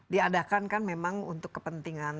diadakan kan memang untuk kepentingan